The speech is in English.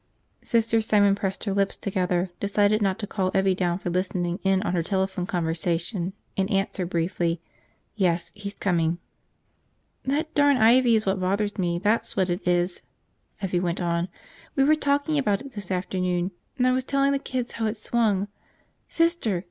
Sister Simon pressed her lips together, decided not to call Evvie down for listening in on her telephone conversation, and answered briefly, "Yes, he's coming." "That darn ivy is what bothers me, that's what it is!" Evvie went on. "We were talking about it this afternoon and I was telling the kids how it swung ... Sister!